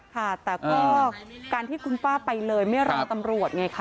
ค่ะแต่ก็การที่คุณป้าไปเลยไม่รอตำรวจไงคะ